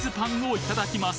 いただきます。